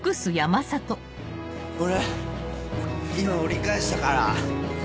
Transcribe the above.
俺今折り返したから。